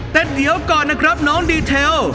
แต่เดี๋ยวก่อนนะครับน้องดีเทล